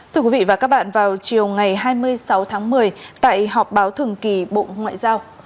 thưa quý vị và các bạn vào chiều ngày hai mươi sáu tháng một mươi tại họp báo thường kỳ bộ ngoại giao